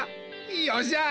よっしゃ！